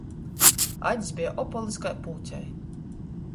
Acs beja opolys kai pyucei.